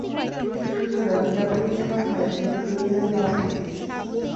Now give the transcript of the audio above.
সুতরাং যা প্রিন্ট করা হয় সেগুলো তৈরি হয় প্লাস্টিক দিয়ে।